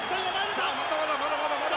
さあまだまだまだ！